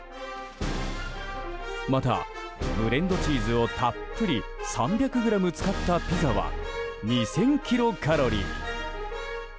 またブレンドチーズをたっぷり３００ｇ使ったピザは２０００キロカロリー。